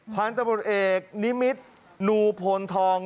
ค้านตะอมุทรเอกนิมิสนุพวลทอง